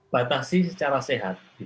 batasi secara sehat